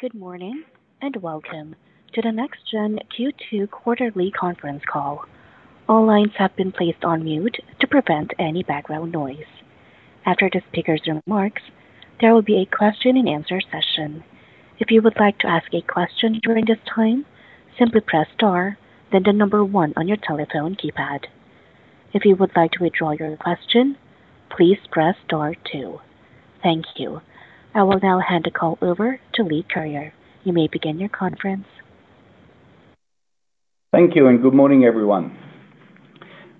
Good morning, welcome to the NexGen Q2 quarterly conference call. All lines have been placed on mute to prevent any background noise. After the speakers' remarks, there will be a question and answer session. If you would like to ask a question during this time, simply press star, then one on your telephone keypad. If you would like to withdraw your question, please press star two. Thank you. I will now hand the call over to Leigh Curyer. You may begin your conference. Thank you. Good morning, everyone.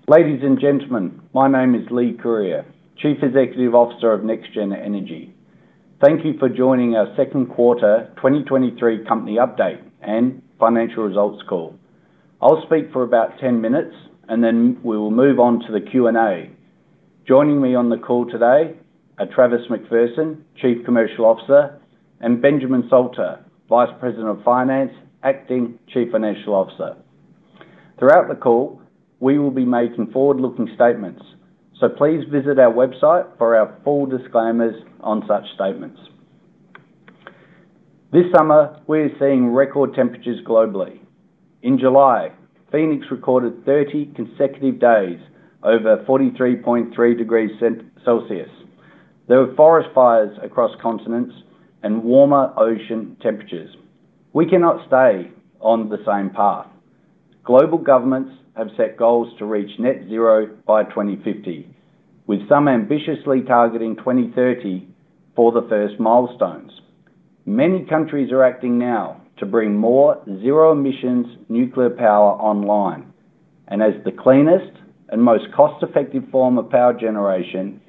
Ladies and gentlemen, my name is Leigh Curyer, CEO of NexGen Energy. Thank you for joining our Q2, 2023 company update and financial results call. I'll speak for about 10 minutes. Then we will move on to the Q&A. Joining me on the call today are Travis McPherson, CCO, and Benjamin Salter, Vice President of Finance, Acting CFO. Throughout the call, we will be making forward-looking statements. Please visit our website for our full disclaimers on such statements. This summer, we are seeing record temperatures globally. In July, Phoenix recorded 30 consecutive days over 43.3 degrees Celsius. There were forest fires across continents and warmer ocean temperatures. We cannot stay on the same path. Global governments have set goals to reach net zero by 2050, with some ambitiously targeting 2030 for the first milestones. Many countries are acting now to bring more zero emissions nuclear power online, and as the cleanest and most cost-effective form of power generation,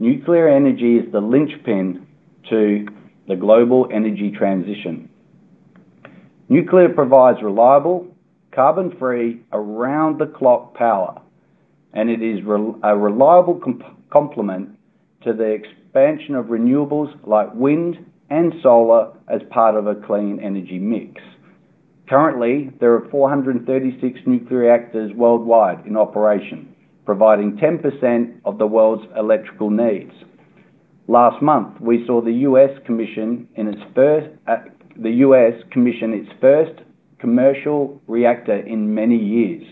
nuclear energy is the linchpin to the global energy transition. Nuclear provides reliable, carbon-free, around-the-clock power, and it is a reliable complement to the expansion of renewables, like wind and solar, as part of a clean energy mix. Currently, there are 436 nuclear reactors worldwide in operation, providing 10% of the world's electrical needs. Last month, we saw the US commission its first commercial reactor in many years,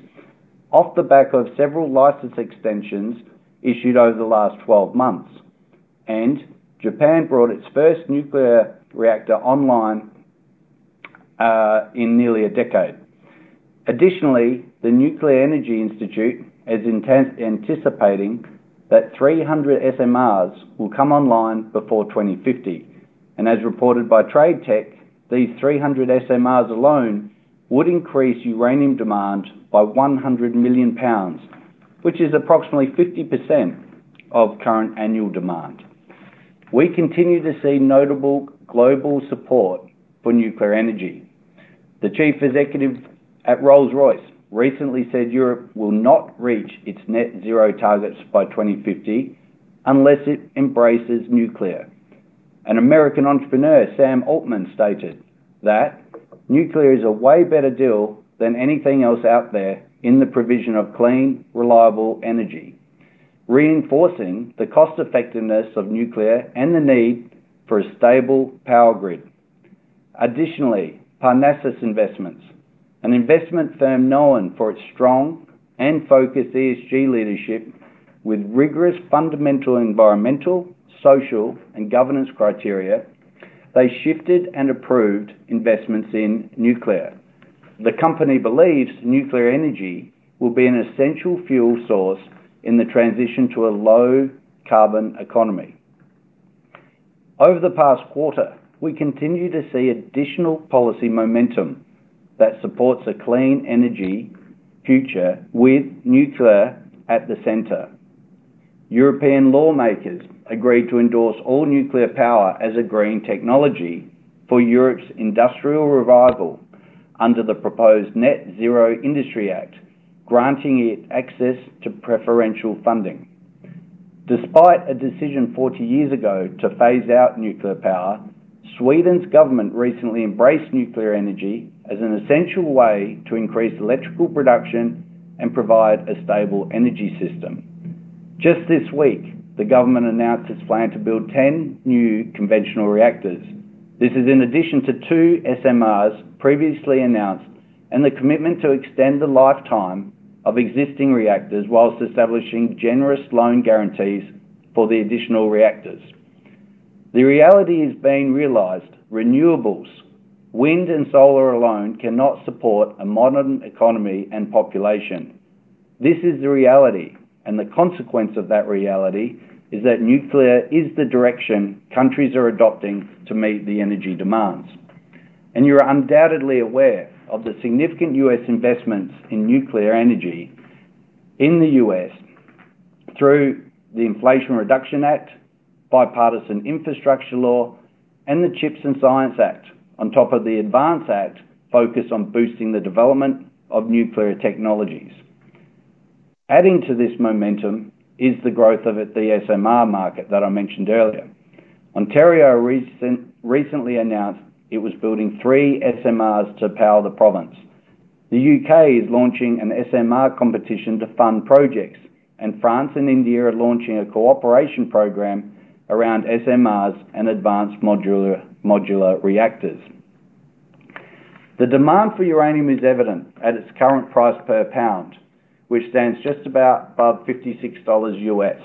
off the back of several license extensions issued over the last 12 months. Japan brought its first nuclear reactor online in nearly a decade. Additionally, the Nuclear Energy Institute is anticipating that 300 SMRs will come online before 2050, and as reported by TradeTech, these 300 SMRs alone would increase uranium demand by 100 million pounds, which is approximately 50% of current annual demand. We continue to see notable global support for nuclear energy. The chief executive at Rolls-Royce recently said Europe will not reach its net zero targets by 2050 unless it embraces nuclear. An American entrepreneur, Sam Altman, stated that nuclear is a way better deal than anything else out there in the provision of clean, reliable energy, reinforcing the cost effectiveness of nuclear and the need for a stable power grid. Additionally, Parnassus Investments, an investment firm known for its strong and focused ESG leadership with rigorous, fundamental, environmental, social, and governance criteria, they shifted and approved investments in nuclear. The company believes nuclear energy will be an essential fuel source in the transition to a low-carbon economy. Over the past quarter, we continue to see additional policy momentum that supports a clean energy future with nuclear at the center. European lawmakers agreed to endorse all nuclear power as a green technology for Europe's industrial revival under the proposed Net Zero Industry Act, granting it access to preferential funding. Despite a decision 40 years ago to phase out nuclear power, Sweden's government recently embraced nuclear energy as an essential way to increase electrical production and provide a stable energy system. Just this week, the government announced its plan to build 10 new conventional reactors. This is in addition to two SMRs previously announced and the commitment to extend the lifetime of existing reactors while establishing generous loan guarantees for the additional reactors. The reality is being realized. Renewables, wind and solar alone cannot support a modern economy and population. This is the reality, and the consequence of that reality is that nuclear is the direction countries are adopting to meet the energy demands. You're undoubtedly aware of the significant US investments in nuclear energy in the US through the Inflation Reduction Act, Bipartisan Infrastructure Law, and the CHIPS and Science Act, on top of the ADVANCE Act, focused on boosting the development of nuclear technologies. Adding to this momentum is the growth of the SMR market that I mentioned earlier. Ontario recently announced it was building three SMRs to power the province.... The UK is launching an SMR competition to fund projects. France and India are launching a cooperation program around SMRs and advanced modular reactors. The demand for uranium is evident at its current price per pound, which stands just about above $56 US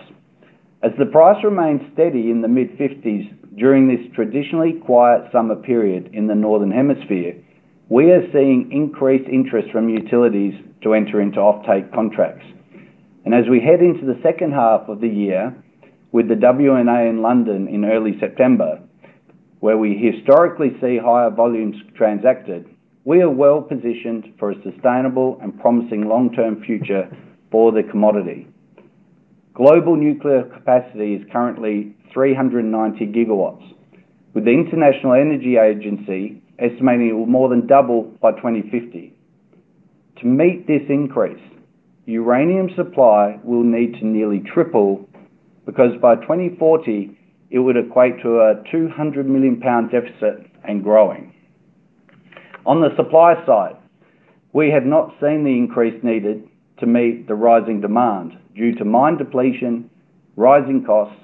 As the price remains steady in the mid-50s during this traditionally quiet summer period in the Northern Hemisphere, we are seeing increased interest from utilities to enter into offtake contracts. As we head into the second half of the year with the WNA in London in early September, where we historically see higher volumes transacted, we are well-positioned for a sustainable and promising long-term future for the commodity. Global nuclear capacity is currently 390 GW, with the International Energy Agency estimating it will more than double by 2050. To meet this increase, uranium supply will need to nearly triple, because by 2040, it would equate to a 200 million pound deficit and growing. On the supply side, we have not seen the increase needed to meet the rising demand due to mine depletion, rising costs,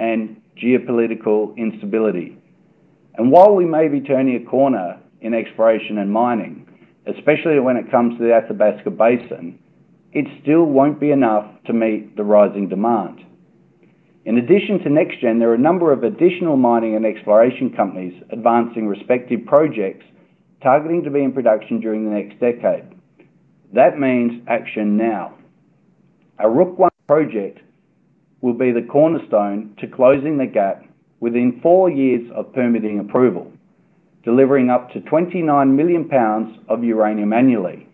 and geopolitical instability. While we may be turning a corner in exploration and mining, especially when it comes to the Athabasca Basin, it still won't be enough to meet the rising demand. In addition to NexGen, there are a number of additional mining and exploration companies advancing respective projects, targeting to be in production during the next decade. That means action now. Our Rook I project will be the cornerstone to closing the gap within four years of permitting approval, delivering up to 29 million pounds of uranium annually.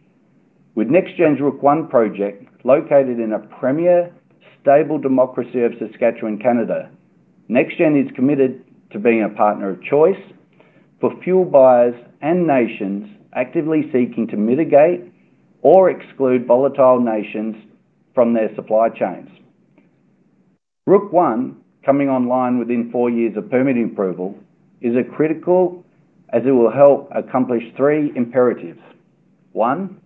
With NexGen's Rook I project located in a premier, stable democracy of Saskatchewan, Canada, NexGen is committed to being a partner of choice for fuel buyers and nations actively seeking to mitigate or exclude volatile nations from their supply chains. Rook I, coming online within four years of permit approval, is a critical, as it will help accomplish 3 imperatives: One,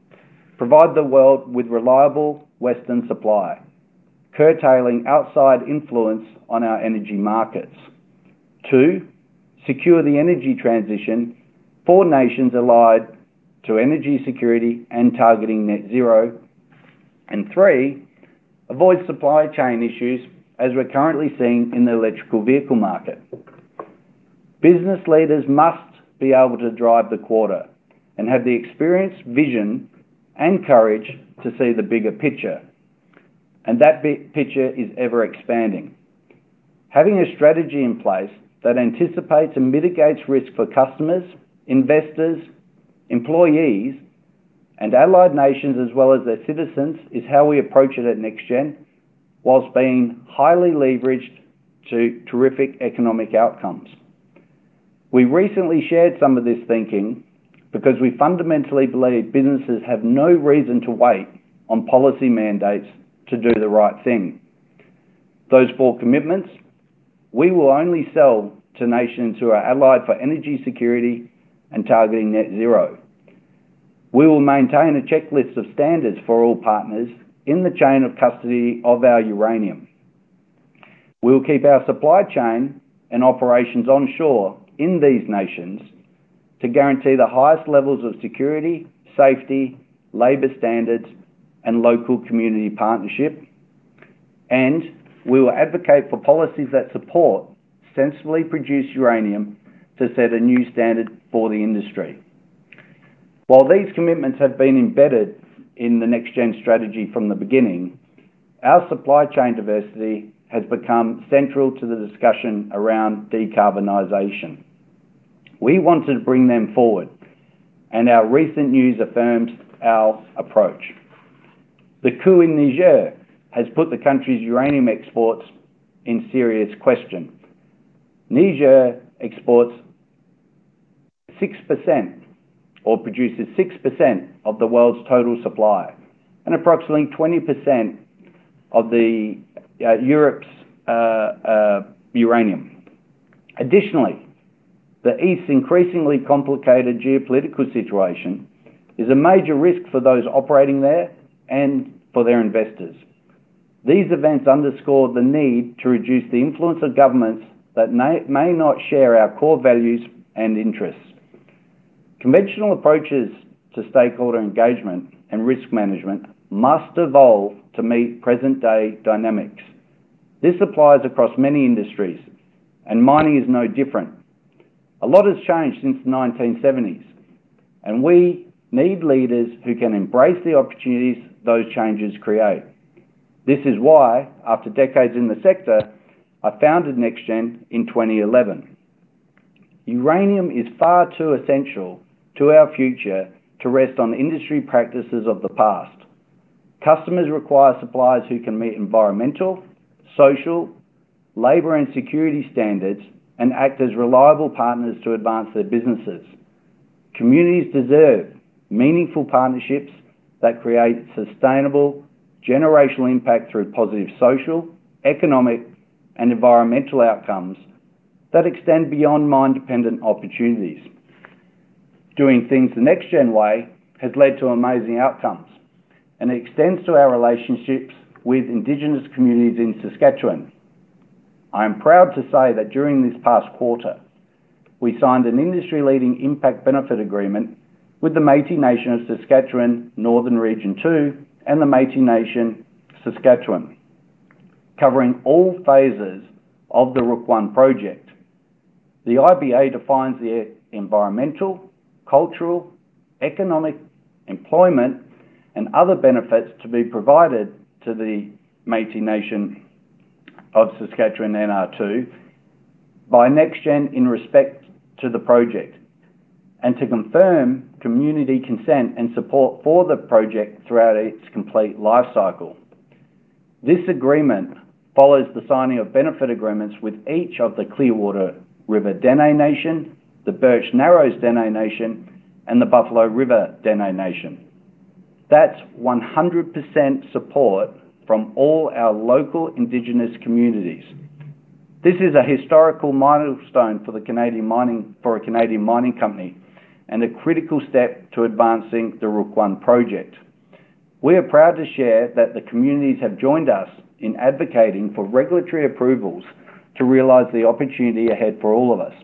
provide the world with reliable Western supply, curtailing outside influence on our energy markets. Two, secure the energy transition for nations allied to energy security and targeting net zero. 3, avoid supply chain issues, as we're currently seeing in the electrical vehicle market. Business leaders must be able to drive the quarter and have the experience, vision, and courage to see the bigger picture, and that picture is ever-expanding. Having a strategy in place that anticipates and mitigates risk for customers, investors, employees, and allied nations, as well as their citizens, is how we approach it at NexGen, whilst being highly leveraged to terrific economic outcomes. We recently shared some of this thinking because we fundamentally believe businesses have no reason to wait on policy mandates to do the right thing. Those four commitments, we will only sell to nations who are allied for energy security and targeting net zero. We will maintain a checklist of standards for all partners in the chain of custody of our uranium. We will keep our supply chain and operations onshore in these nations to guarantee the highest levels of security, safety, labor standards, and local community partnership. We will advocate for policies that support sensibly produced uranium to set a new standard for the industry. While these commitments have been embedded in the NexGen strategy from the beginning, our supply chain diversity has become central to the discussion around decarbonization. We wanted to bring them forward, and our recent news affirms our approach. The coup in Niger has put the country's uranium exports in serious question. Niger exports 6% or produces 6% of the world's total supply, and approximately 20% of Europe's uranium. Additionally, the East's increasingly complicated geopolitical situation is a major risk for those operating there and for their investors. These events underscore the need to reduce the influence of governments that may not share our core values and interests. Conventional approaches to stakeholder engagement and risk management must evolve to meet present-day dynamics. This applies across many industries, and mining is no different. A lot has changed since the 1970s, and we need leaders who can embrace the opportunities those changes create. This is why, after decades in the sector, I founded NexGen in 2011. Uranium is far too essential to our future to rest on industry practices of the past. Customers require suppliers who can meet environmental, social, labor, and security standards and act as reliable partners to advance their businesses. Communities deserve meaningful partnerships that create sustainable generational impact through positive social, economic, and environmental outcomes, that extend beyond mine-dependent opportunities. Doing things the NexGen way has led to amazing outcomes, and it extends to our relationships with indigenous communities in Saskatchewan. I am proud to say that during this past quarter, we signed an industry-leading impact benefit agreement with the Métis Nation—Saskatchewan Northern Region II and the Métis Nation—Saskatchewan, covering all phases of the Rook I project. The IBA defines the environmental, cultural, economic, employment, and other benefits to be provided to the Métis Nation—Saskatchewan, NR2, by NexGen in respect to the project, and to confirm community consent and support for the project throughout its complete life cycle. This agreement follows the signing of benefit agreements with each of the Clearwater River Dene Nation, the Birch Narrows Dene Nation, and the Buffalo River Dene Nation. That's 100% support from all our local indigenous communities. This is a historical milestone for a Canadian mining company, and a critical step to advancing the Rook I project. We are proud to share that the communities have joined us in advocating for regulatory approvals to realize the opportunity ahead for all of us.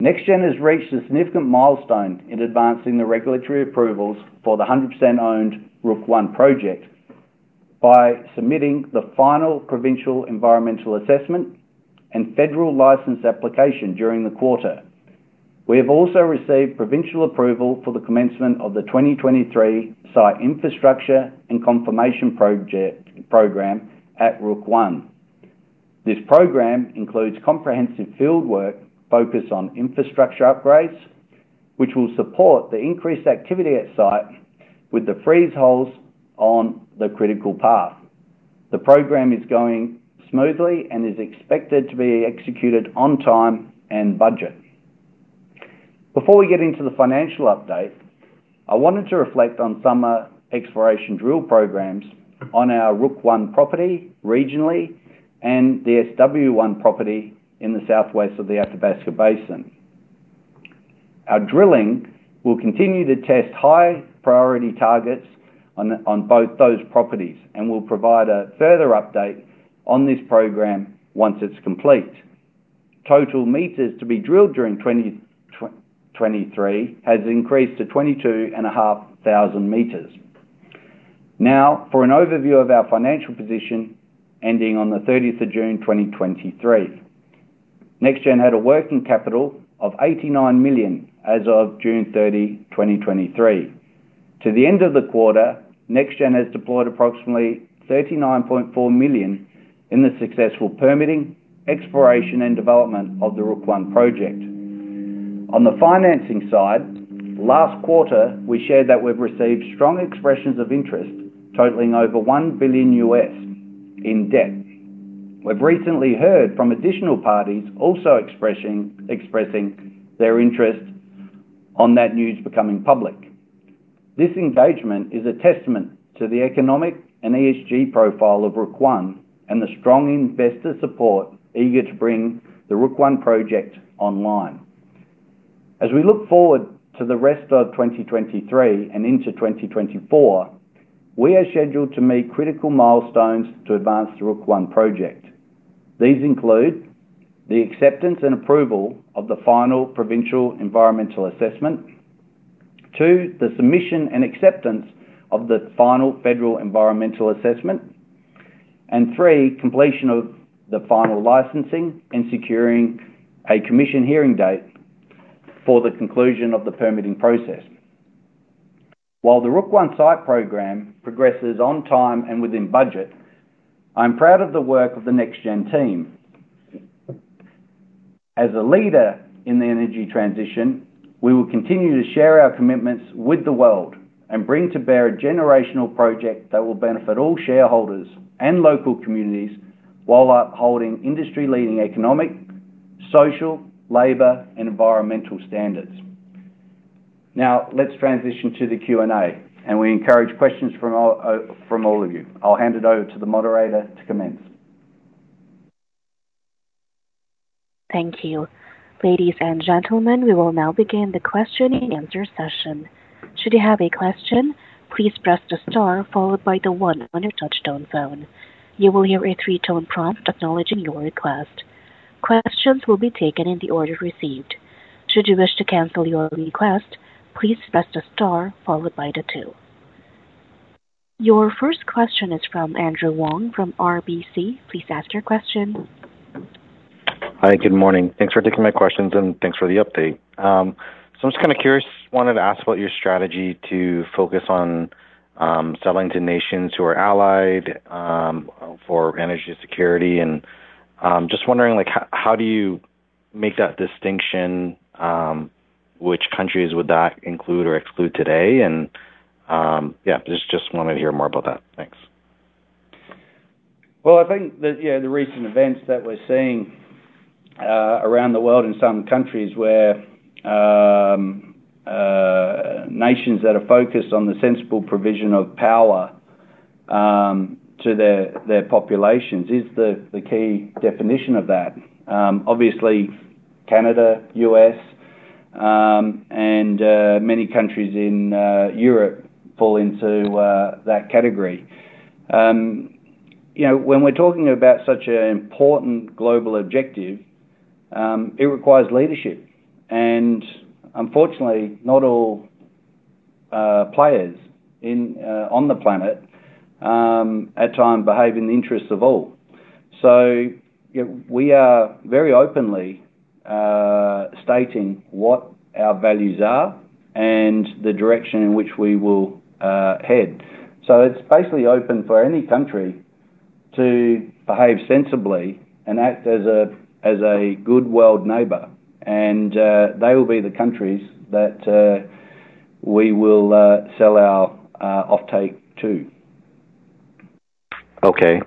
NexGen has reached a significant milestone in advancing the regulatory approvals for the 100% owned Rook I Project, by submitting the final provincial environmental assessment and federal license application during the quarter. We have also received provincial approval for the commencement of the 2023 site infrastructure and confirmation program at Rook I. This program includes comprehensive field work focused on infrastructure upgrades, which will support the increased activity at site with the freeze holes on the critical path. The program is going smoothly and is expected to be executed on time and budget. Before we get into the financial update, I wanted to reflect on some exploration drill programs on our Rook I property regionally and the SW1 property in the southwest of the Athabasca Basin. Our drilling will continue to test high-priority targets on, on both those properties, and we'll provide a further update on this program once it's complete. Total meters to be drilled during 2023 has increased to 22,500 meters. For an overview of our financial position ending on the 30th of June, 2023. NexGen had a working capital of 89 million as of June 30, 2023. To the end of the quarter, NexGen has deployed approximately 39.4 million in the successful permitting, exploration, and development of the Rook I project. On the financing side, last quarter, we shared that we've received strong expressions of interest, totaling over $1 billion in debt. We've recently heard from additional parties also expressing their interest on that news becoming public. This engagement is a testament to the economic and ESG profile of Rook I and the strong investor support eager to bring the Rook I project online. As we look forward to the rest of 2023 and into 2024, we are scheduled to meet critical milestones to advance the Rook I project. These include: the acceptance and approval of the final provincial environmental assessment. Two. The submission and acceptance of the final federal environmental assessment. Three. Completion of the final licensing and securing a commission hearing date for the conclusion of the permitting process. While the Rook I site program progresses on time and within budget, I'm proud of the work of the NexGen team. As a leader in the energy transition, we will continue to share our commitments with the world and bring to bear a generational project that will benefit all shareholders and local communities while upholding industry-leading economic, social, labor, and environmental standards. Now, let's transition to the Q&A, and we encourage questions from all, from all of you. I'll hand it over to the moderator to commence. Thank you. Ladies and gentlemen, we will now begin the question and answer session. Should you have a question, please press the star followed by the one on your touchtone phone. You will hear a three-tone prompt acknowledging your request. Questions will be taken in the order received. Should you wish to cancel your request, please press the star followed by the two. Your first question is from Andrew Wong from RBC. Please ask your question. Hi, good morning. Thanks for taking my questions, and thanks for the update. I'm just kind of curious, wanted to ask about your strategy to focus on selling to nations who are allied for energy security, just wondering, like, how, how do you make that distinction? Which countries would that include or exclude today? Yeah, just, just wanted to hear more about that. Thanks. Well, I think that, yeah, the recent events that we're seeing around the world in some countries where nations that are focused on the sensible provision of power to their, their populations is the, the key definition of that. Obviously, Canada, US, and many countries in Europe fall into that category. You know, when we're talking about such an important global objective, it requires leadership. Unfortunately, not all players on the planet at times behave in the interests of all. You know, we are very openly stating what our values are and the direction in which we will head. It's basically open for any country to behave sensibly and act as a, as a good world neighbor, and they will be the countries that we will sell our offtake to. Okay.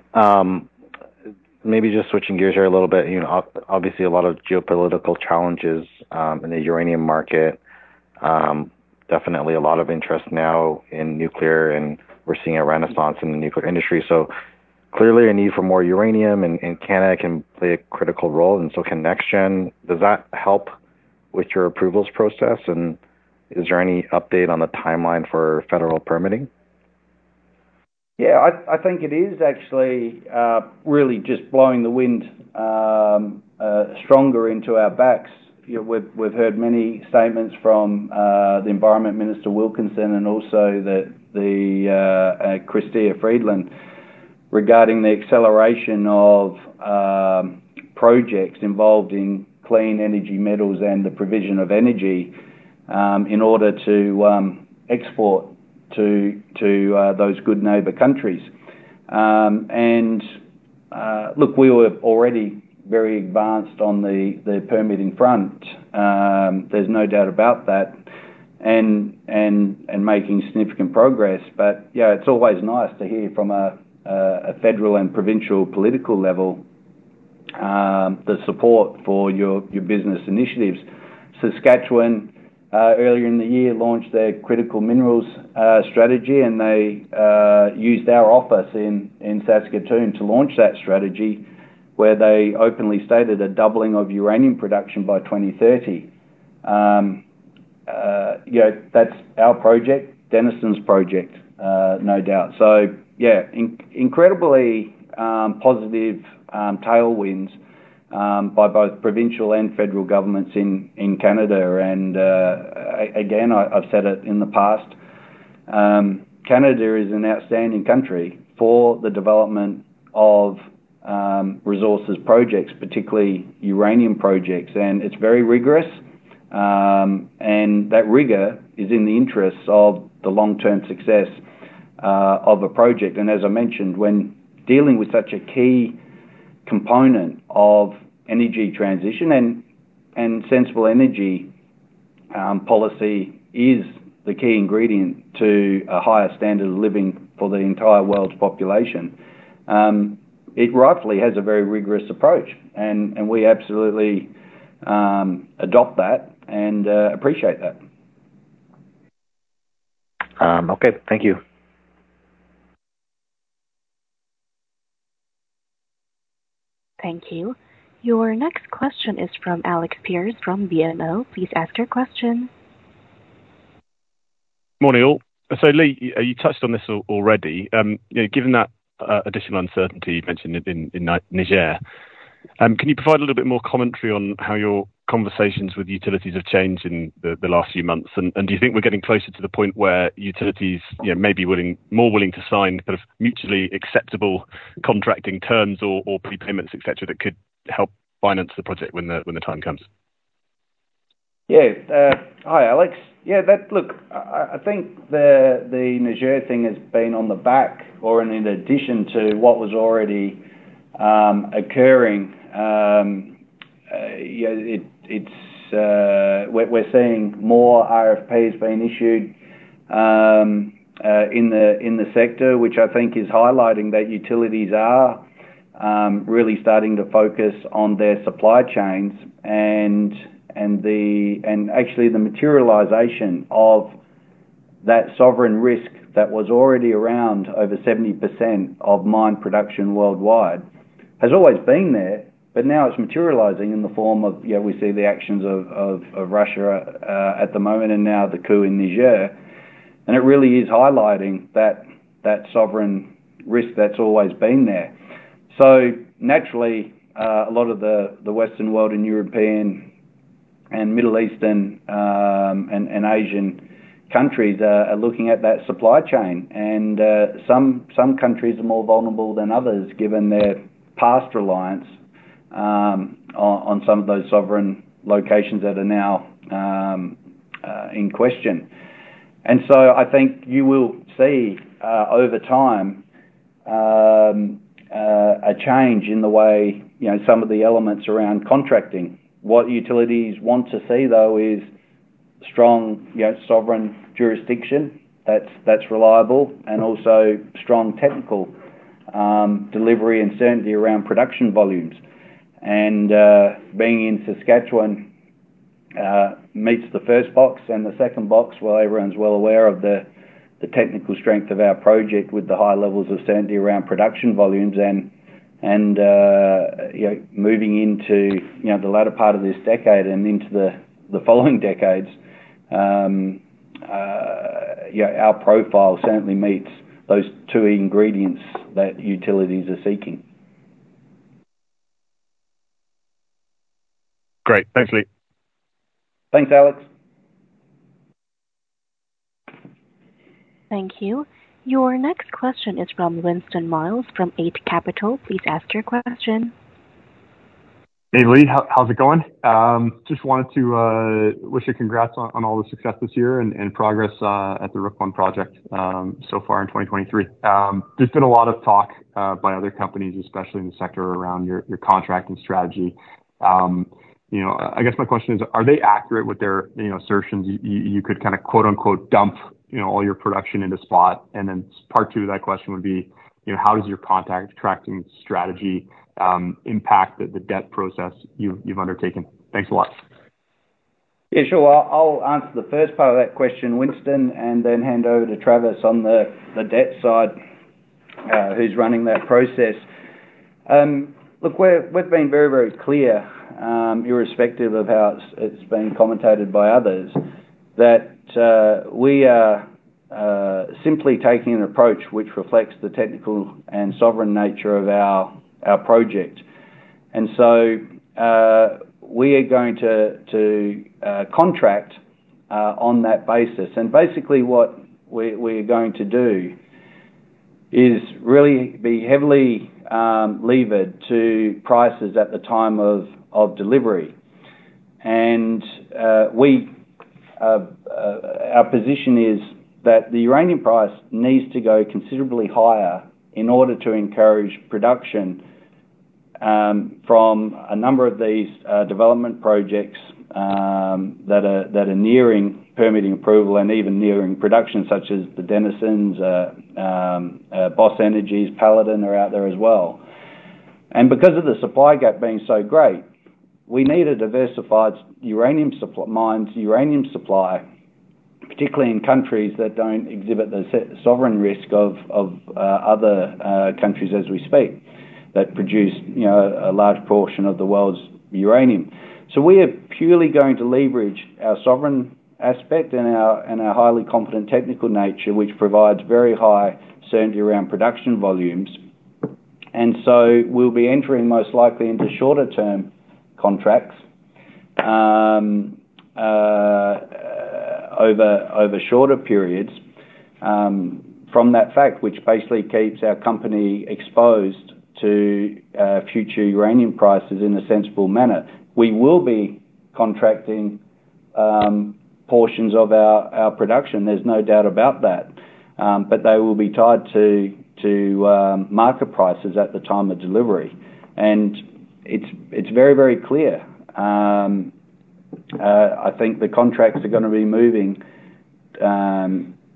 maybe just switching gears here a little bit. You know, obviously, a lot of geopolitical challenges, in the uranium market. definitely a lot of interest now in nuclear, and we're seeing a renaissance in the nuclear industry. Clearly a need for more uranium, and Canada can play a critical role, and so can NexGen. Does that help with your approvals process? Is there any update on the timeline for federal permitting? Yeah, I, I think it is actually really just blowing the wind stronger into our backs. You know, we've, we've heard many statements from the Environment Minister Wilkinson and also the Chrystia Freeland, regarding the acceleration of projects involving clean energy metals and the provision of energy in order to export to those good neighbor countries. Look, we were already very advanced on the permitting front, there's no doubt about that, and, and, and making significant progress. Yeah, it's always nice to hear from a federal and provincial political level, the support for your, your business initiatives. Saskatchewan, earlier in the year, launched their critical minerals strategy, and they used our office in Saskatoon to launch that strategy, where they openly stated a doubling of uranium production by 2030. You know, that's our project, Denison's project, no doubt. Yeah, incredibly positive tailwinds by both provincial and federal governments in Canada. Again, I've said it in the past, Canada is an outstanding country for the development of resources projects, particularly uranium projects, and it's very rigorous. And that rigor is in the interests of the long-term success of a project. As I mentioned, when dealing with such a key component of energy transition and, and sensible energy, policy is the key ingredient to a higher standard of living for the entire world's population, it rightfully has a very rigorous approach, and, and we absolutely adopt that and appreciate that. Okay. Thank you. Thank you. Your next question is from Alexander Pearce, from BMO. Please ask your question. Morning, all. Leigh, you touched on this already. You know, given that additional uncertainty you mentioned in Niger, can you provide a little bit more commentary on how your conversations with utilities have changed in the last few months? Do you think we're getting closer to the point where utilities, you know, may be willing, more willing to sign kind of mutually acceptable contracting terms or prepayments, et cetera, that could help finance the project when the time comes? Yeah. Hi, Alex. Yeah, that... Look, I, I think the, the Niger thing has been on the back or in addition to what was already occurring. You know, it, it's... We're, we're seeing more RFPs being issued in the sector, which I think is highlighting that utilities are really starting to focus on their supply chains and, and the, and actually the materialization of that sovereign risk that was already around over 70% of mine production worldwide, has always been there, but now it's materializing in the form of, you know, we see the actions of, of, of Russia at the moment and now the coup in Niger. It really is highlighting that, that sovereign risk that's always been there. Naturally, a lot of the, the Western world and European and Middle Eastern, and, and Asian countries are, are looking at that supply chain. Some, some countries are more vulnerable than others, given their past reliance, on, on some of those sovereign locations that are now, in question. So I think you will see, over time, a change in the way, you know, some of the elements around contracting. What utilities want to see, though, is strong, you know, sovereign jurisdiction that's, that's reliable, and also strong technical, delivery and certainty around production volumes. Being in Saskatchewan, meets the first box and the second box, well, everyone's well aware of the, the technical strength of our project with the high levels of certainty around production volumes. You know, moving into, you know, the latter part of this decade and into the, the following decades, yeah, our profile certainly meets those two ingredients that utilities are seeking. Great. Thanks, Leigh. Thanks, Alex. Thank you. Your next question is from Winston Miles, from Eight Capital. Please ask your question. Hey, Leigh. How, how's it going? Just wanted to wish you congrats on, on all the success this year and, and progress at the Rook I Project so far in 2023. There's been a lot of talk by other companies, especially in the sector around your, your contracting strategy. You know, I, I guess my question is, are they accurate with their, you know, assertions, you could kinda quote, unquote, "dump," you know, all your production into spot? Then part two to that question would be, you know, how does your contracting strategy impact the, the debt process you've, you've undertaken? Thanks a lot. Yeah, sure. I'll, I'll answer the first part of that question, Winston, and then hand over to Travis on the, the debt side, who's running that process. Look, we've been very, very clear, irrespective of how it's, it's been commentated by others, that we are simply taking an approach which reflects the technical and sovereign nature of our project. So, we are going to, to contract on that basis. Basically what we're, we're going to do is really be heavily levered to prices at the time of delivery. We, our position is that the uranium price needs to go considerably higher in order to encourage production from a number of these development projects that are nearing permitting approval and even nearing production, such as the Denison's, Boss Energy's, Paladin are out there as well. Because of the supply gap being so great, we need a diversified uranium supply mine, uranium supply, particularly in countries that don't exhibit the sovereign risk of other countries as we speak, that produce, you know, a large portion of the world's uranium. We are purely going to leverage our sovereign aspect and our, and our highly competent technical nature, which provides very high certainty around production volumes. We'll be entering most likely into shorter term contracts over shorter periods from that fact, which basically keeps our company exposed to future uranium prices in a sensible manner. We will be contracting portions of our production, there's no doubt about that. They will be tied to market prices at the time of delivery. It's very, very clear, I think the contracts are going to be moving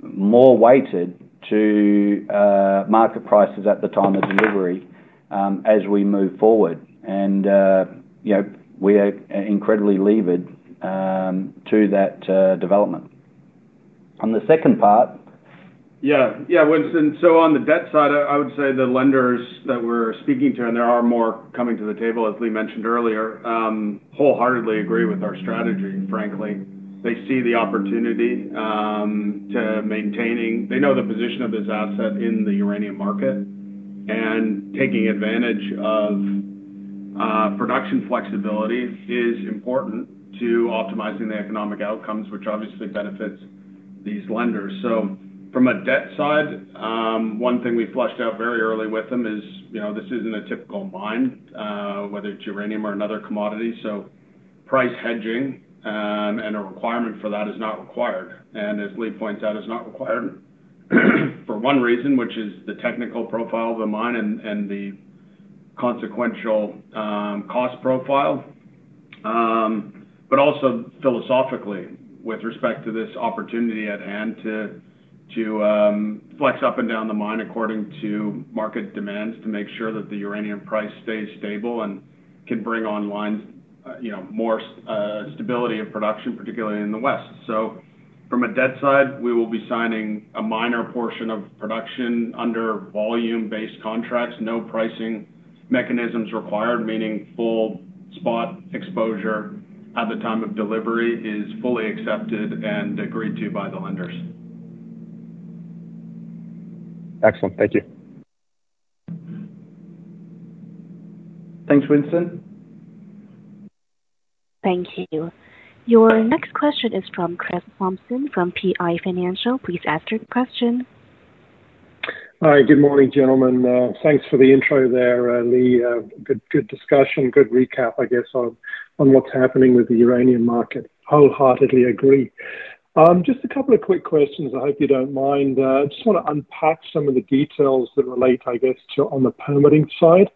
more weighted to market prices at the time of delivery as we move forward. You know, we are incredibly levered to that development. On the second part. Yeah. Yeah, Winston, so on the debt side, I, I would say the lenders that we're speaking to, and there are more coming to the table, as Leigh mentioned earlier, wholeheartedly agree with our strategy, frankly. They see the opportunity to maintaining. They know the position of this asset in the uranium market, and taking advantage of production flexibility is important to optimizing the economic outcomes, which obviously benefits these lenders. From a debt side, one thing we fleshed out very early with them is, you know, this isn't a typical mine, whether it's uranium or another commodity. Price hedging, and a requirement for that is not required. As Leigh points out, is not required, for one reason, which is the technical profile of the mine and the consequential cost profile. Also philosophically, with respect to this opportunity at hand, to, to, flex up and down the mine according to market demands, to make sure that the uranium price stays stable and can bring online, you know, more stability of production, particularly in the West. From a debt side, we will be signing a minor portion of production under volume-based contracts, no pricing mechanisms required, meaning full spot exposure at the time of delivery is fully accepted and agreed to by the lenders. Excellent. Thank you. Thanks, Winston. Thank you. Your next question is from Chris Thompson, from PI Financial. Please ask your question. Hi, good morning, gentlemen. Thanks for the intro there, Leigh. Good, good discussion, good recap, I guess, on, on what's happening with the uranium market. Wholeheartedly agree. Just a couple of quick questions, I hope you don't mind. I just wanna unpack some of the details that relate, I guess, to on the permitting side.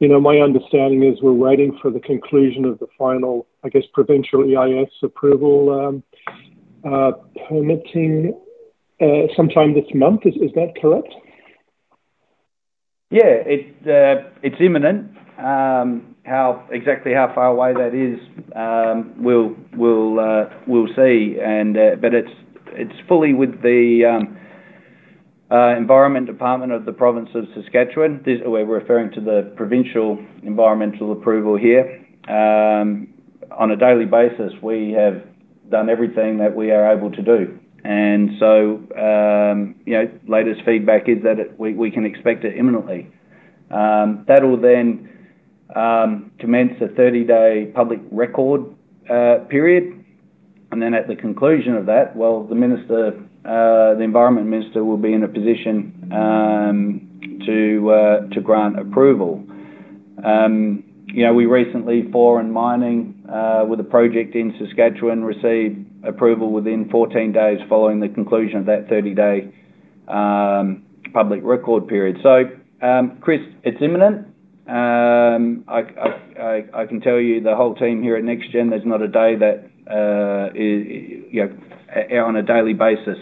You know, my understanding is we're waiting for the conclusion of the final, I guess, provincial EIS approval, permitting, sometime this month. Is, is that correct? Yeah, it's, it's imminent. How-- exactly how far away that is, we'll, we'll, we'll see. But it's, it's fully with the environment department of the province of Saskatchewan. This is where we're referring to the provincial environmental approval here. On a daily basis, we have done everything that we are able to do. So, you know, latest feedback is that it-- we, we can expect it imminently. That will then commence a 30-day public record period, then at the conclusion of that, well, the Environment Minister will be in a position to grant approval. You know, we recently, Foran Mining, with a project in Saskatchewan, received approval within 14 days following the conclusion of that 30-day public record period. So, Chris, it's imminent. I can tell you, the whole team here at NexGen, there's not a day that, you know, on a daily basis,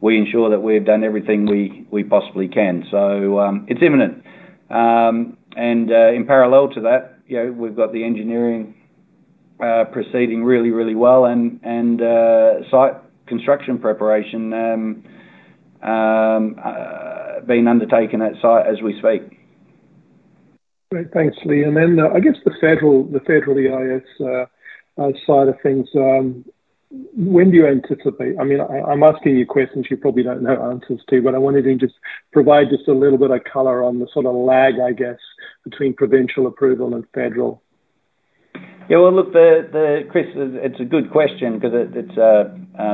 we ensure that we've done everything we, we possibly can. It's imminent. In parallel to that, you know, we've got the engineering, proceeding really, really well, and site construction preparation, being undertaken at site as we speak. Great. Thanks, Leigh. Then, I guess, the federal, the federal EIS side of things, when do you anticipate... I mean, I, I'm asking you questions you probably don't know answers to, but I wanted to just provide just a little bit of color on the sort of lag, I guess, between provincial approval and federal. Yeah, well, look, Chris, it's a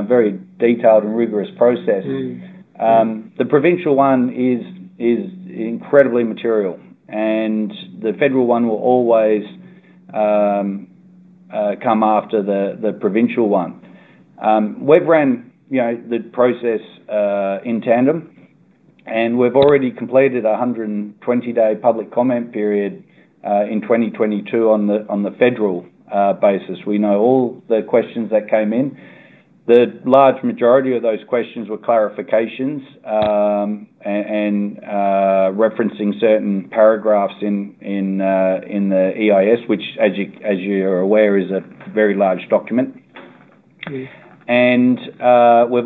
very detailed and rigorous process. Mm-hmm. The provincial one is, is incredibly material, and the federal one will always come after the provincial one. We've ran, you know, the process in tandem, and we've already completed a 120-day public comment period in 2022, on the federal basis. We know all the questions that came in. The large majority of those questions were clarifications, and referencing certain paragraphs in the EIS, which, as you, as you are aware, is a very large document. We've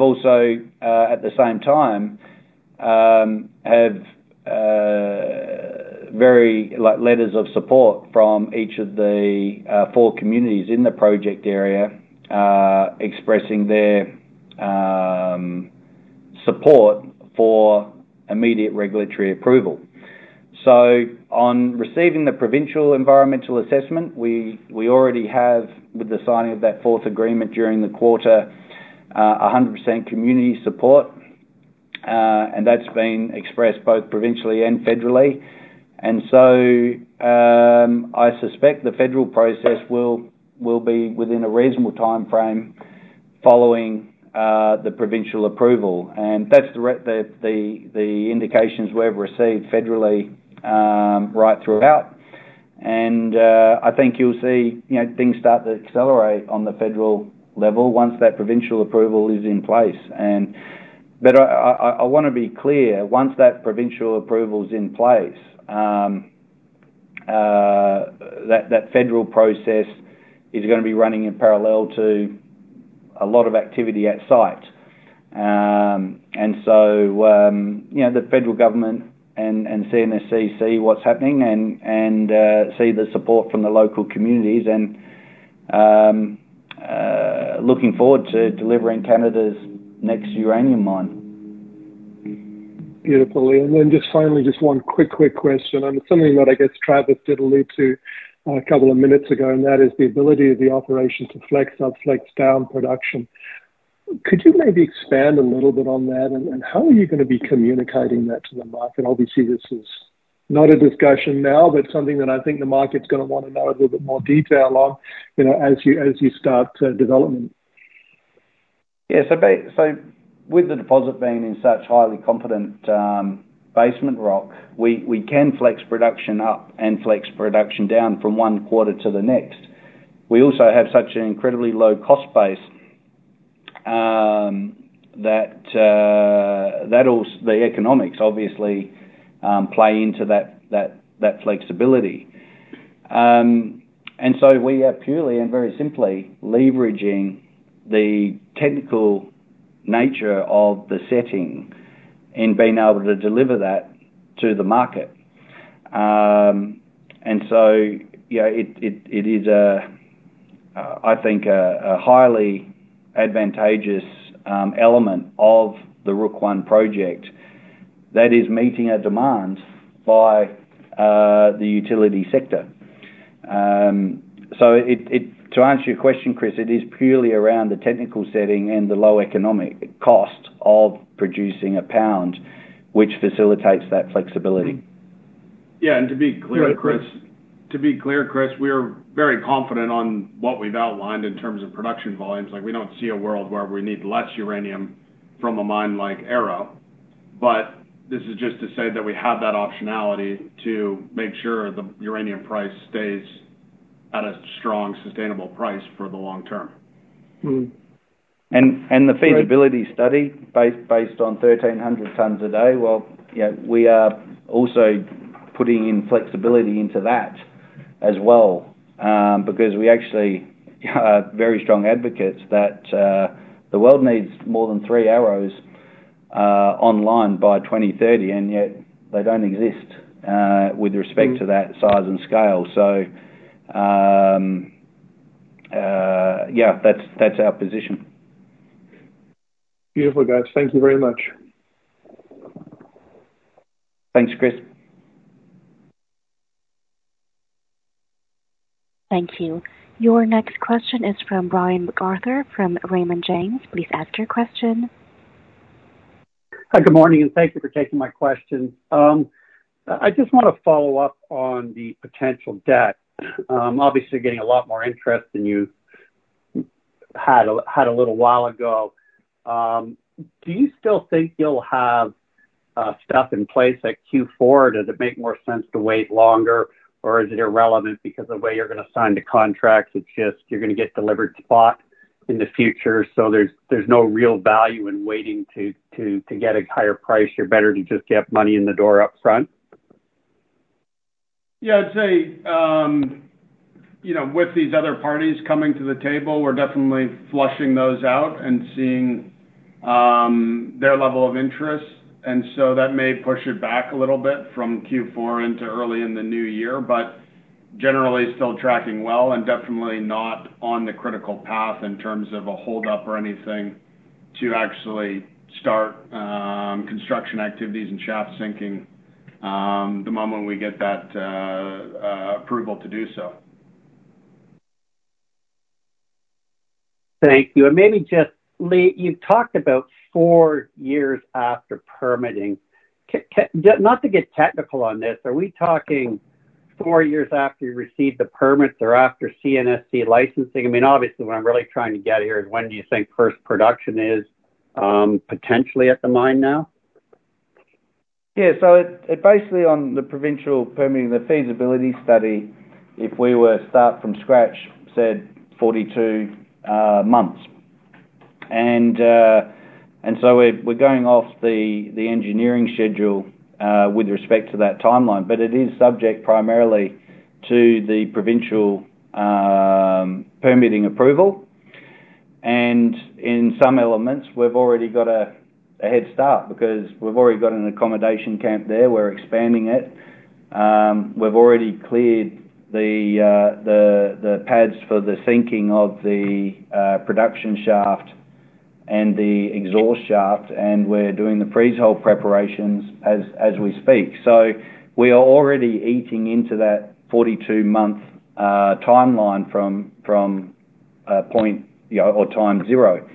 also, at the same time, have very, like, letters of support from each of the four communities in the project area, expressing their support for immediate regulatory approval. On receiving the provincial environmental assessment, we, we already have, with the signing of that fourth agreement during the quarter, 100% community support, and that's been expressed both provincially and federally. I suspect the federal process will be within a reasonable timeframe following the provincial approval, and that's the indications we've received federally right throughout. I think you'll see, you know, things start to accelerate on the federal level once that provincial approval is in place. I, I, I wanna be clear, once that provincial approval is in place, that, that federal process is gonna be running in parallel to a lot of activity at site. So, you know, the federal government and, and CNSC see what's happening and, and, see the support from the local communities and, looking forward to delivering Canada's next uranium mine. Beautiful, Leigh. Then just finally, just one quick, quick question, and it's something that I guess Travis did allude to a couple of minutes ago, and that is the ability of the operation to flex up, flex down production. Could you maybe expand a little bit on that, and how are you going to be communicating that to the market? Obviously, this is not a discussion now, but something that I think the market's going to want to know a little bit more detail on, you know, as you, as you start development. Yeah. So with the deposit being in such highly competent, basement rock, we, we can flex production up and flex production down from one quarter to the next. We also have such an incredibly low cost base, that the economics obviously, play into that, that, that flexibility. We are purely and very simply leveraging the technical nature of the setting in being able to deliver that to the market. You know, it is, I think, a highly advantageous element of the Rook I Project that is meeting a demand by the utility sector. To answer your question, Chris, it is purely around the technical setting and the low economic cost of producing a pound, which facilitates that flexibility. Yeah, to be clear, Chris- Go ahead, Travis. To be clear, Chris, we're very confident on what we've outlined in terms of production volumes. Like, we don't see a world where we need less uranium from a mine like Arrow. This is just to say that we have that optionality to make sure the uranium price stays at a strong, sustainable price for the long term. Mm-hmm. And the feasibility study, based, based on 1,300 tons a day, well, you know, we are also putting in flexibility into that as well, because we actually are very strong advocates that the world needs more than three Arrows online by 2030, and yet they don't exist with respect to that size and scale. Yeah, that's, that's our position. Beautiful, guys. Thank you very much. Thanks, Chris. Thank you. Your next question is from Brian MacArthur from Raymond James. Please ask your question. Hi, good morning, and thank you for taking my question. I just want to follow up on the potential debt. Obviously, you're getting a lot more interest than you had a little while ago. Do you still think you'll have stuff in place at Q4, or does it make more sense to wait longer, or is it irrelevant because the way you're gonna sign the contracts, it's just you're gonna get delivered spot in the future, so there's no real value in waiting to get a higher price, you're better to just get money in the door upfront? Yeah, I'd say, you know, with these other parties coming to the table, we're definitely flushing those out and seeing their level of interest. So that may push it back a little bit from Q4 into early in the new year, but generally still tracking well and definitely not on the critical path in terms of a hold up or anything to actually start construction activities and shaft sinking the moment we get that approval to do so. Thank you. Maybe just, Leigh, you've talked about four years after permitting. Not to get technical on this, are we talking four years after you received the permits or after CNSC licensing? I mean, obviously, what I'm really trying to get here is when do you think first production is potentially at the mine now? Yeah, so it, basically on the provincial permitting, the feasibility study, if we were to start from scratch, said 42 months. We're going off the engineering schedule with respect to that timeline, but it is subject primarily to the provincial permitting approval. In some elements, we've already got a head start because we've already got an accommodation camp there. We're expanding it. We've already cleared the pads for the sinking of the production shaft and the exhaust shaft, and we're doing the pre-hole preparations as we speak. We are already eating into that 42-month timeline from from point, you know, or time zero.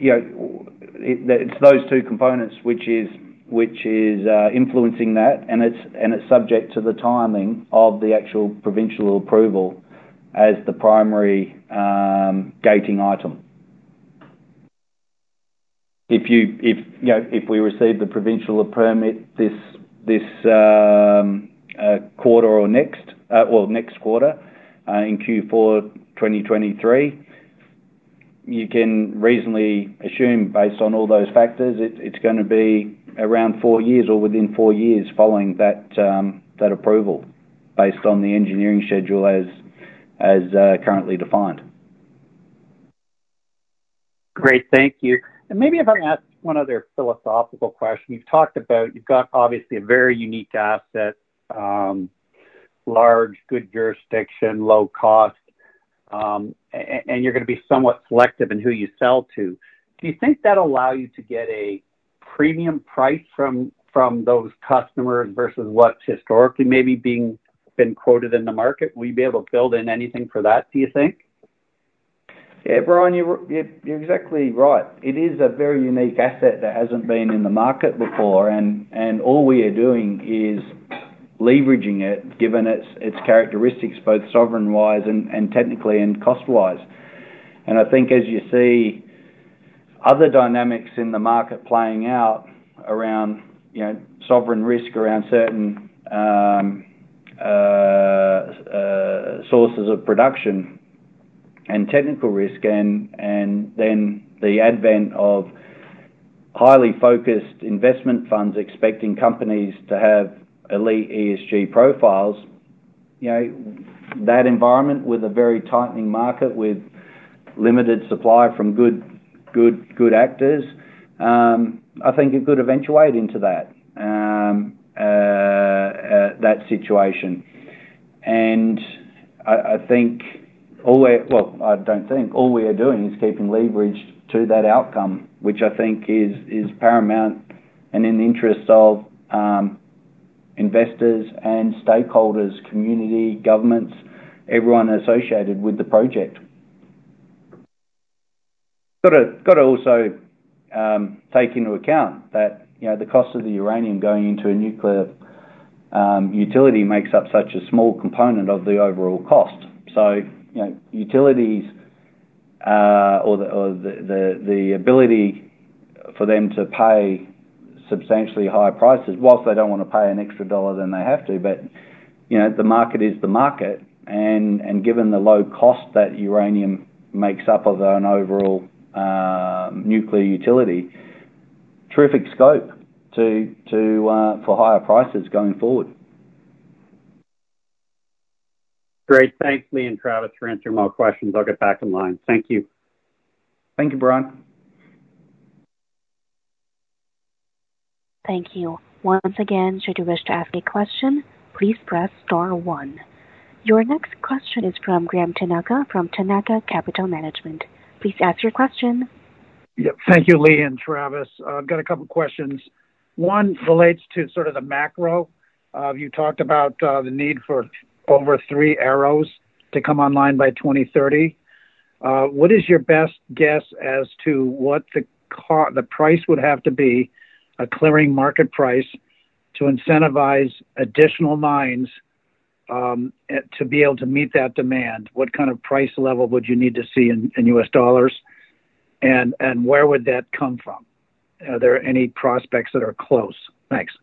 There's those two components, which is, which is influencing that, and it's, and it's subject to the timing of the actual provincial approval as the primary gating item. If you, if, you know, if we receive the provincial permit this, this quarter or next, well, next quarter, in Q4 2023, you can reasonably assume, based on all those factors, it's, it's gonna be around four years or within four years following that approval, based on the engineering schedule as, as currently defined. Great. Thank you. Maybe if I ask one other philosophical question. You've talked about, you've got obviously a very unique asset, large, good jurisdiction, low cost, and you're gonna be somewhat selective in who you sell to. Do you think that'll allow you to get a premium price from, from those customers versus what historically maybe been quoted in the market? Will you be able to build in anything for that, do you think? Yeah, Brian, you're, you're, you're exactly right. It is a very unique asset that hasn't been in the market before, and all we are doing is leveraging it, given its, its characteristics, both sovereign-wise and technically and cost-wise. I think as you see other dynamics in the market playing out around, you know, sovereign risk, around certain sources of production and technical risk, and then the advent of highly focused investment funds expecting companies to have elite ESG profiles, you know, that environment with a very tightening market, with limited supply from good, good, good actors, I think it could eventuate into that that situation. I, I think all we're... Well, I don't think. All we are doing is keeping leverage to that outcome, which I think is, is paramount and in the interest of investors and stakeholders, community, governments, everyone associated with the project. Gotta, gotta also take into account that, you know, the cost of the uranium going into a nuclear utility makes up such a small component of the overall cost. You know, utilities, or the, or the, the, the ability for them to pay substantially higher prices, whilst they don't want to pay an extra $1 than they have to, but, you know, the market is the market, and, and given the low cost that uranium makes up of an overall nuclear utility, terrific scope to, to for higher prices going forward. Great. Thanks, Leigh and Travis, for answering my questions. I'll get back in line. Thank you. Thank you, Brian. Thank you. Once again, should you wish to ask a question, please press star one. Your next question is from Graham Tanaka from Tanaka Capital Management. Please ask your question. Yeah. Thank you, Leigh and Travis. I've got a couple questions. One relates to sort of the macro. You talked about the need for over three Arrows to come online by 2030. What is your best guess as to what the price would have to be, a clearing market price, to incentivize additional mines to be able to meet that demand? What kind of price level would you need to see in US dollars, and where would that come from? Are there any prospects that are close? Thanks.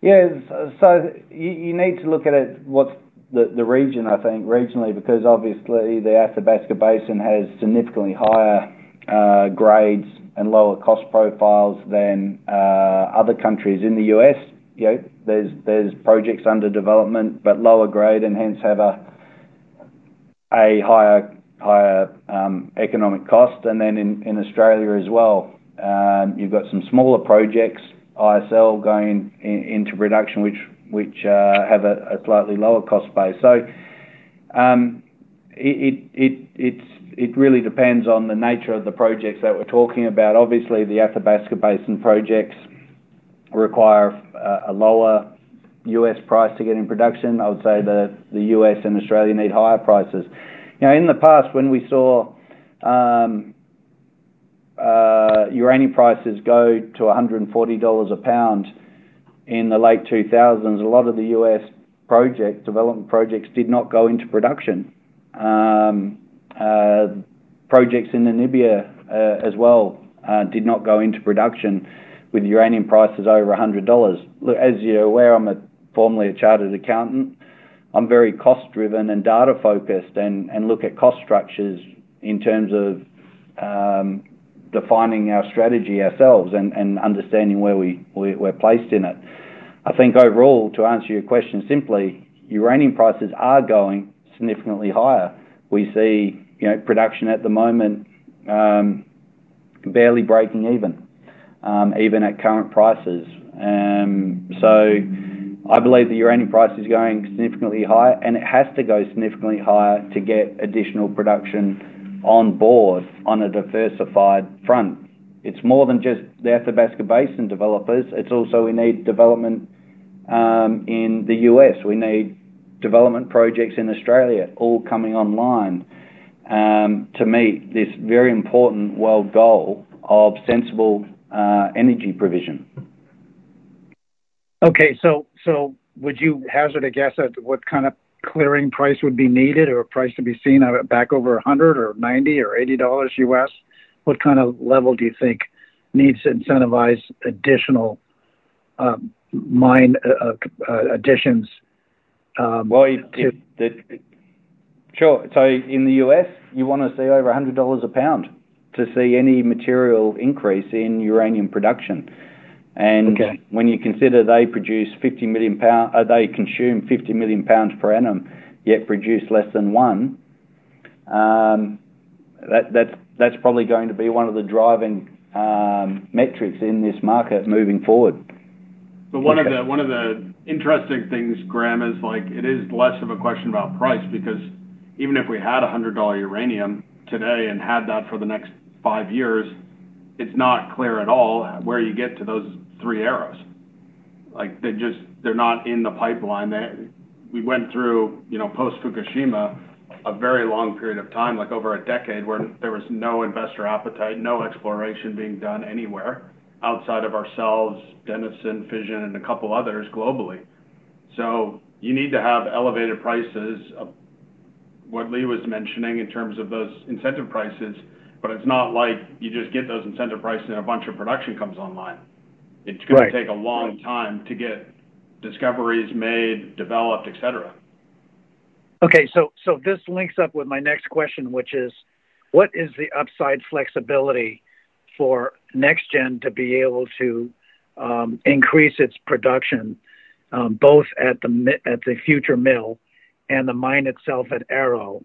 Yes, so you, you need to look at it, what's the, the region, I think, regionally, because obviously, the Athabasca Basin has significantly higher grades and lower cost profiles than other countries. In the US, you know, there's, there's projects under development, but lower grade and hence have a higher, higher economic cost, and then in, in Australia as well. You've got some smaller projects, ISL, going into production, which, which have a slightly lower cost base. It, it, it, it's, it really depends on the nature of the projects that we're talking about. Obviously, the Athabasca Basin projects require a lower US price to get in production. I would say that the US and Australia need higher prices. You know, in the past, when we saw uranium prices go to $140 a pound in the late 2000s, a lot of the US project, development projects did not go into production. Projects in Namibia, as well, did not go into production with uranium prices over $100. Look, as you're aware, I'm a formerly a chartered accountant. I'm very cost driven and data focused and, and look at cost structures in terms of defining our strategy ourselves and, and understanding where we, we, we're placed in it. I think overall, to answer your question simply, uranium prices are going significantly higher. We see, you know, production at the moment, barely breaking even, even at current prices. I believe the uranium price is going significantly higher, and it has to go significantly higher to get additional production on board on a diversified front. It's more than just the Athabasca Basin developers, it's also we need development in the US. We need development projects in Australia, all coming online, to meet this very important world goal of sensible energy provision. Okay, so, so would you hazard a guess at what kind of clearing price would be needed or price to be seen back over $100 or $90 or $80 US? What kind of level do you think needs to incentivize additional mine additions? Well, sure. In the US, you want to see over $100 a pound to see any material increase in uranium production. Okay. When you consider they consume 50 million pounds per annum, yet produce less than 1, that's probably going to be one of the driving metrics in this market moving forward. One of the, one of the interesting things, Graham, is like it is less of a question about price, because even if we had $100 uranium today and had that for the next 5 years, it's not clear at all where you get to those three Arrows. Like, they just, they're not in the pipeline. We went through, you know, post-Fukushima, a very long period of time, like over a decade, where there was no investor appetite, no exploration being done anywhere outside of ourselves, Denison, Fission, and a couple others globally. You need to have elevated prices, of what Leigh was mentioning, in terms of those incentive prices, but it's not like you just get those incentive prices and a bunch of production comes online. Right. It's going to take a long time to get discoveries made, developed, et cetera. Okay. This links up with my next question, which is: What is the upside flexibility for NexGen to be able to increase its production both at the future mill and the mine itself at Arrow?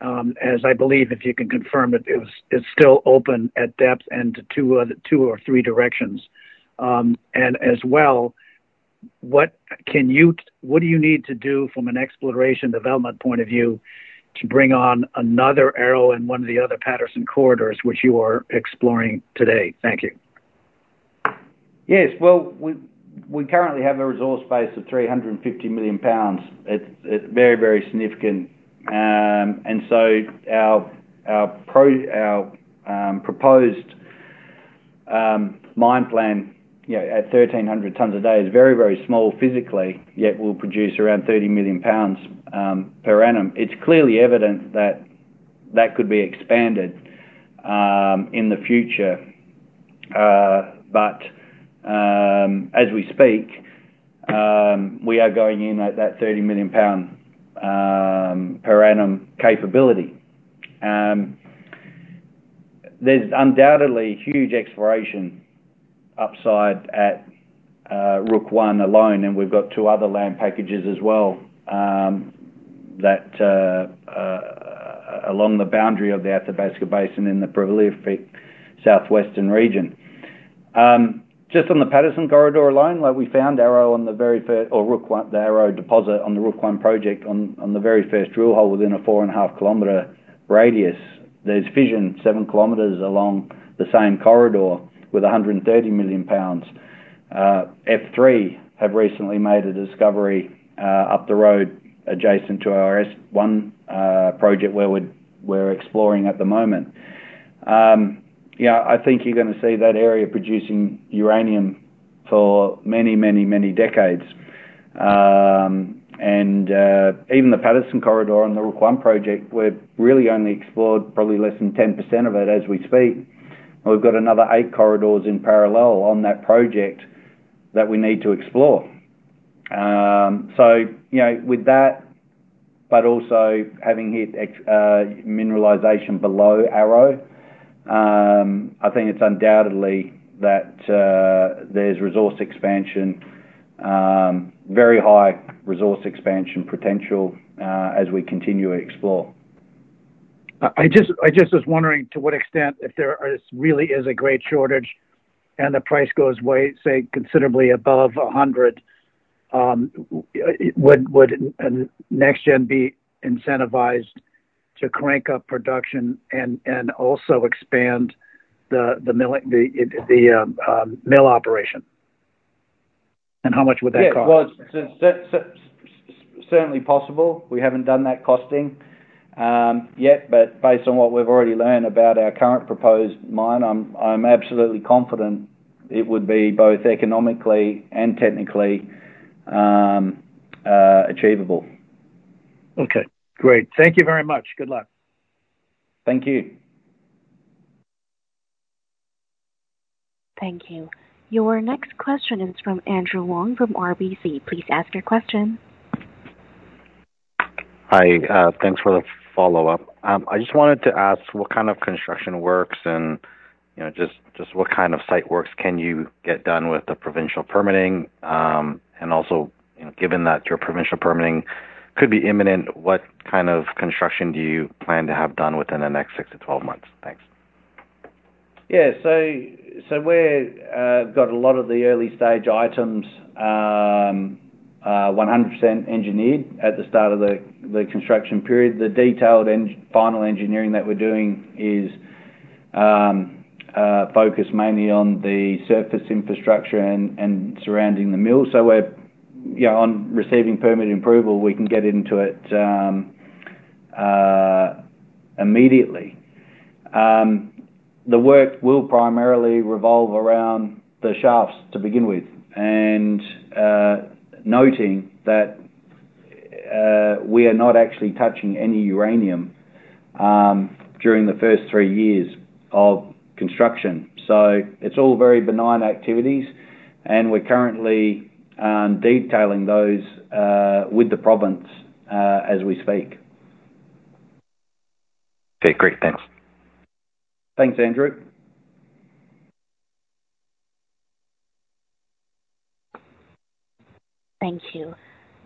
As I believe, if you can confirm it, it was, it's still open at depth and to two other, two or three directions. And as well, what do you need to do from an exploration development point of view, to bring on another Arrow and one of the other Patterson corridors, which you are exploring today? Thank you. Yes. Well, we, we currently have a resource base of 350 million pounds. It's, it's very, very significant. So our proposed mine plan, you know, at 1,300 tons a day is very, very small physically, yet will produce around 30 million pounds per annum. It's clearly evident that that could be expanded in the future. As we speak, we are going in at that 30 million pound per annum capability. There's undoubtedly huge exploration upside at Rook I alone, and we've got two other land packages as well that along the boundary of the Athabasca Basin in the underprivileged southwestern region. Just on the Patterson Corridor alone, like we found Arrow on the very first, or Rook I, the Arrow deposit on the Rook I project on, on the very first drill hole within a 4.5 km radius. There's Fission, 7 km along the same corridor with 130 million pounds. F3 have recently made a discovery up the road adjacent to our SW1 project, where we're, we're exploring at the moment. Yeah, I think you're gonna see that area producing uranium for many, many, many decades. Even the Patterson Corridor and the Rook I project, we've really only explored probably less than 10% of it as we speak. We've got another eight corridors in parallel on that project that we need to explore. You know, with that, but also having hit mineralization below Arrow, I think it's undoubtedly that there's resource expansion, very high resource expansion potential, as we continue to explore. I just was wondering, to what extent, if there really is a great shortage and the price goes way, say, considerably above $100, would NexGen be incentivized to crank up production and also expand the mill operation? How much would that cost? Yeah, well, certainly possible. We haven't done that costing yet, based on what we've already learned about our current proposed mine, I'm, I'm absolutely confident it would be both economically and technically achievable. Okay, great. Thank you very much. Good luck. Thank you. Thank you. Your next question is from Andrew Wong of RBC. Please ask your question. Hi, thanks for the follow-up. I just wanted to ask, what kind of construction works and, you know, just, just what kind of site works can you get done with the provincial permitting? Also, you know, given that your provincial permitting could be imminent, what kind of construction do you plan to have done within the next six to 12 months? Thanks. Yeah. So we're got a lot of the early-stage items, 100% engineered at the start of the construction period. The detailed final engineering that we're doing is focused mainly on the surface infrastructure and surrounding the mill. We're, yeah, on receiving permit approval, we can get into it immediately. The work will primarily revolve around the shafts to begin with, and noting that we are not actually touching any uranium during the first three years of construction. It's all very benign activities, and we're currently detailing those with the province as we speak. Okay, great. Thanks. Thanks, Andrew. Thank you.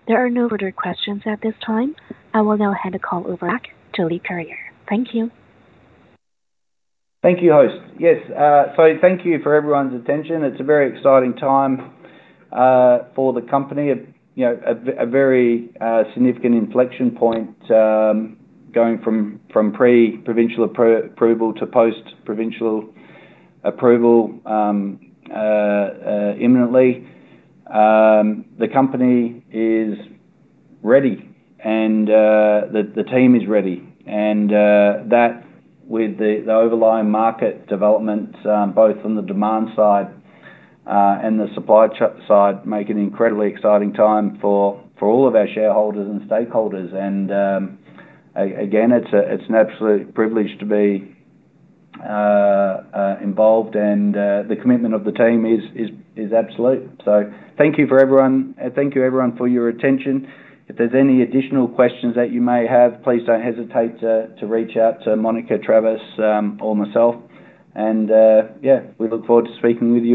There are no further questions at this time. I will now hand the call over back to Leigh Curyer. Thank you. Thank you, host. Yes, thank you for everyone's attention. It's a very exciting time for the company. You know, a very significant inflection point, going from pre-provincial approval to post-provincial approval imminently. The company is ready, the team is ready. That with the overlying market developments, both on the demand side and the supply side, make an incredibly exciting time for all of our shareholders and stakeholders. Again, it's an absolute privilege to be involved, and the commitment of the team is absolute. Thank you for everyone, thank you, everyone, for your attention. If there's any additional questions that you may have, please don't hesitate to reach out to Monica, Travis, or myself. Yeah, we look forward to speaking with you again.